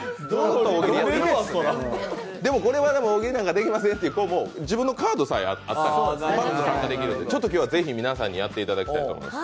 でも、これは大喜利なんかできませんっていう、自分のカードさえあったら参加できるので今日、ぜひ皆さんにやってもらいたいと思います。